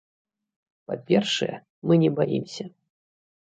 Па-першае, мы не баімся.